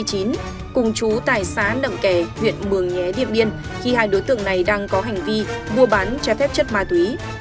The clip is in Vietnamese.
cùng chú tài xá nậm kẻ huyện mường nhé điện biên khi hai đối tượng này đang có hành vi mua bán trái phép chất ma túy